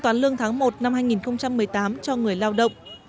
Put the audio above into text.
toán lương tháng một năm hai nghìn một mươi tám cho người lao động